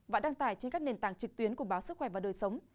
và đăng tải trên các nền tảng trực tuyến của báo sức khỏe và đời sống